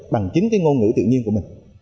bằng chính cái ngôn ngữ tự nhiên của mình